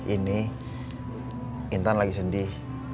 ini intan lagi sedih